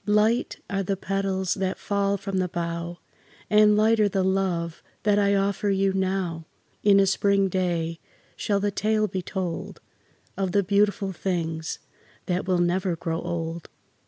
Light are the petals that fall from the bough, And lighter the love that I offer you now; In a spring day shall the tale be told Of the beautiful things that will never grow old.